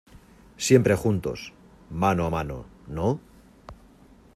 siempre juntos, mano a mano ,¿ no?